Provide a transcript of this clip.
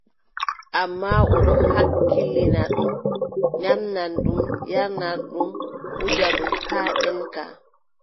Ammaa o ɗon hakkilani ɗum, nyaamna ɗum, yarna ɗum, wuja ɗum haa ɗelka.